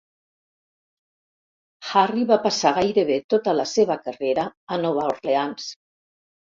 Harry va passar gairebé tota la seva carrera a Nova Orleans.